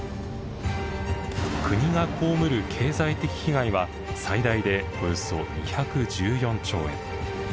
国が被る経済的被害は最大でおよそ２１４兆円。